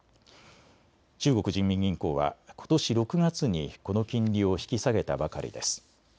中国人民銀行はことし６月にこの金利を引き下げたばかりです。